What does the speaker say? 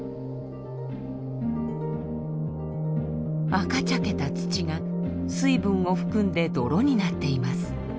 赤茶けた土が水分を含んで泥になっています。